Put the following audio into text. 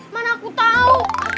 mana aku tau